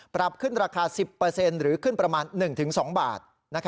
ปรับขึ้นราคา๑๐หรือขึ้นประมาณ๑๒บาท